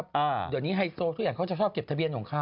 เดี๋ยวนี้ไฮโซทุกอย่างเขาจะชอบเก็บทะเบียนของเขา